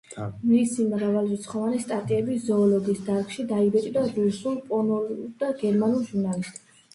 მისი მრავალრიცხოვანი სტატიები ზოოლოგიის დარგში დაიბეჭდა რუსულ, პოლონურ და გერმანულ ჟურნალებში.